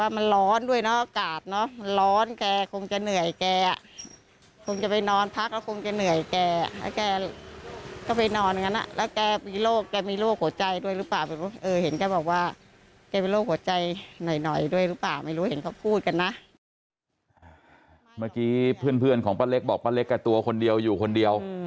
เมื่อกี้เพื่อนของป้าเล็กบอกป้าเล็กก็ตัวคนเดียวอยู่คนเดียว